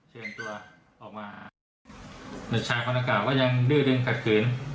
เชิญตัวออกมาแต่ชายคนดังกล่าก็ยังดื้อดึงขัดขืน